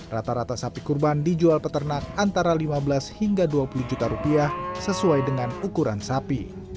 rata rata sapi kurban dijual peternak antara lima belas hingga dua puluh juta rupiah sesuai dengan ukuran sapi